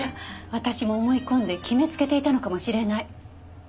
私も思い込んで決めつけていたのかもしれない。